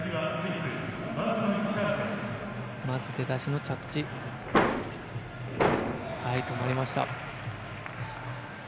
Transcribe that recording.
出だしの着地止まりました。